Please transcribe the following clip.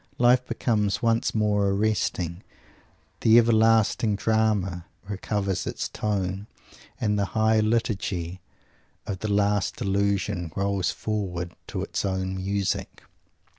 Life becomes once more arresting. The everlasting Drama recovers its "Tone"; and the high Liturgy of the last Illusion rolls forward to its own Music!